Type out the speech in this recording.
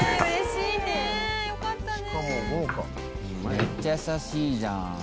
「めっちゃ優しいじゃん」